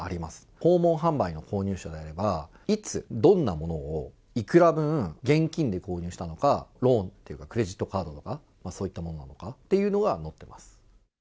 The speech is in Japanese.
訪問販売の購入者であれば、いつ、どんなものをいくら分、現金で購入したのか、ローンっていうか、クレジットカードとか、そういったものっていうのが載っています。